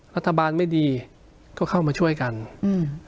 รัฐบาลไม่ดีก็เข้ามาช่วยกันอืม